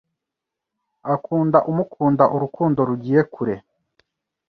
Akunda umukunda urukundo rugiye kure